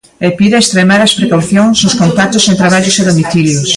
E pide extremar as precaucións nos contactos en traballos e domicilios.